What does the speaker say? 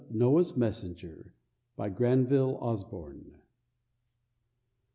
NOAH'S MESSENGER. GRANVILLE OSBORNE.